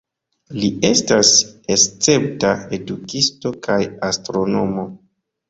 Li estas escepta edukisto kaj astronomo.